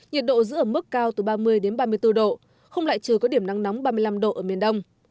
nhiệt độ giữ ở mức cao từ ba mươi ba mươi bốn độ không lại trừ có điểm nắng nóng ba mươi năm độ ở miền đông